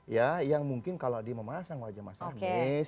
ya yang mungkin kalau dimasang wajah mas anies